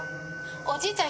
おじいちゃん